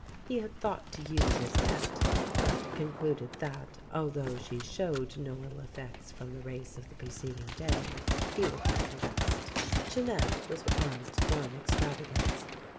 He had thought to use his pet, but concluded that, although she showed no ill effects from the race of the preceding day, he would let her rest. Jeanette was Arndt's one extravagance.